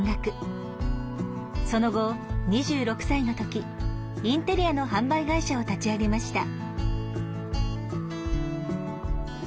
その後２６歳の時インテリアの販売会社を立ち上げました。